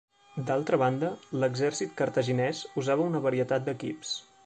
D'altra banda, l'exèrcit cartaginès usava una varietat d'equips.